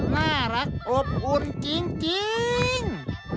น่ารักอบอุ่นจริง